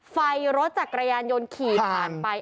รถจักรยานยนต์ขี่ผ่านไป